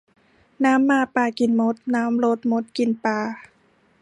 น้ำมาปลากินมดน้ำลดมดกินปลา